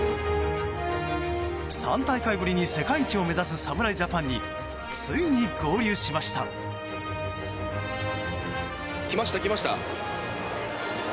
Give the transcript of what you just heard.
３大会ぶりに世界一を目指す侍ジャパンについに合流しました。来ました、来ました！